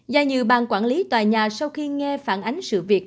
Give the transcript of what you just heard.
giả như bàn quản lý tòa nhà sau khi nghe phản ánh sự việc